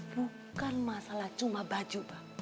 bukan masalah cuma baju